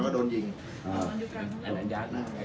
ส่วนสุดท้ายส่วนสุดท้าย